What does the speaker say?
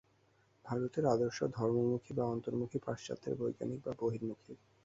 ভারতের আদর্শ ধর্মমুখী বা অন্তর্মুখী, পাশ্চাত্যের বৈজ্ঞানিক বা বহির্মুখী।